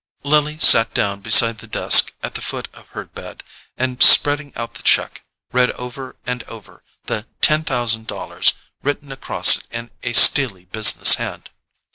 Lily sat down beside the desk at the foot of her bed, and spreading out the cheque, read over and over the TEN THOUSAND DOLLARS written across it in a steely business hand.